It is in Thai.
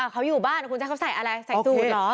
เขาอยู่บ้านเขาใส่อะไรใส่สุดเหรอ